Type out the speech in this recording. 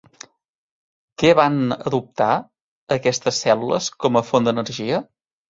Què van adoptar aquestes cèl·lules com a font d'energia?